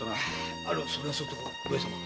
それはそうと上様